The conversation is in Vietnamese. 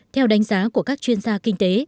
theo đánh giá của các chuyên gia kinh tế